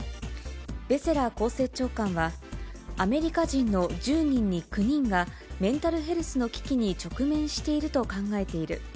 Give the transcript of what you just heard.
ベセラ厚生長官は、アメリカ人の１０人に９人が、メンタルヘルスの危機に直面していると考えている。